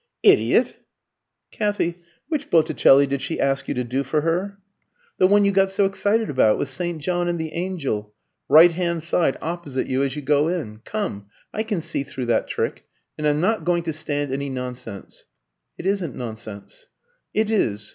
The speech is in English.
"Idiot!" "Kathy, which Botticelli did she ask you to do for her?" "The one you got so excited about, with St. John and the angel right hand side opposite you as you go in. Come, I can see through that trick, and I'm not going to stand any nonsense." "It isn't nonsense." "It is.